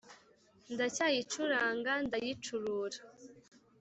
ndayicuranga ndayicurura